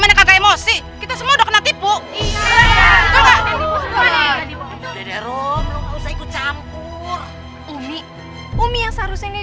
mana gak pake assalamualaikum lagi